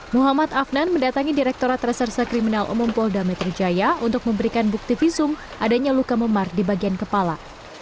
muhammad afnan mendatangi direkturat reserse kriminal umum polda metro jaya untuk memberikan bukti visum adanya luka memar di bagian kepala